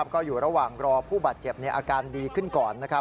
ก็อยู่ระหว่างรอผู้บาดเจ็บอาการดีขึ้นก่อน